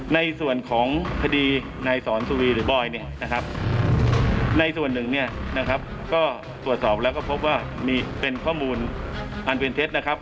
ในส่วนของคดีนายสอนสุวีหรือบอยเนี่ยนะครับในส่วนหนึ่งเนี่ยนะครับก็ตรวจสอบแล้วก็พบว่ามีเป็นข้อมูลอันเป็นเท็จนะครับ